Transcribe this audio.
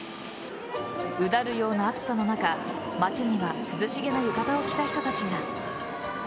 うだるような暑さの中、街には涼しげな浴衣を着た人たちが。